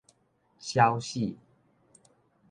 小暑